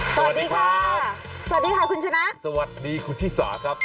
สวัสดีค่ะสวัสดีค่ะคุณชนะสวัสดีคุณชิสาครับ